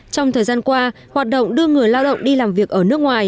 trong thời gian qua hoạt động đưa người lao động đi làm việc ở nước ngoài